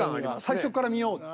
最初から見ようって。